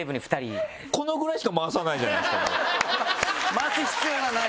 回す必要がない。